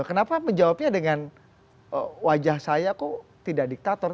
kenapa menjawabnya dengan wajah saya kok tidak diktator